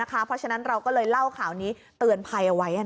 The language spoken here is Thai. เพราะฉะนั้นเราก็เลยเล่าข่าวนี้เตือนภัยเอาไว้